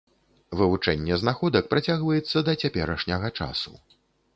Вывучэнне знаходак працягваецца да цяперашняга часу.